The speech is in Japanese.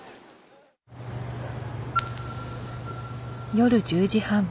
夜１０時半。